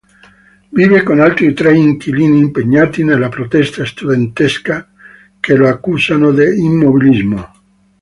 Vive con altri tre inquilini impegnati nella protesta studentesca che lo accusano di immobilismo.